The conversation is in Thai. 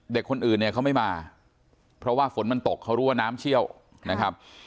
เด็กคนอื่นเนี่ยเขาไม่มาเพราะว่าฝนมันตกเขารู้ว่าน้ำเชี่ยวนะครับ